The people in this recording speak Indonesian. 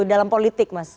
dalam politik mas